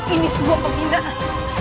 ini sebuah pembinaan